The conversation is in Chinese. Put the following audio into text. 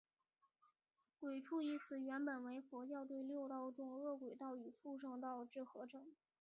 鬼畜一词原本为佛教对六道中饿鬼道与畜生道之合称。